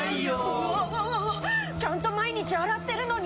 うわわわわちゃんと毎日洗ってるのに。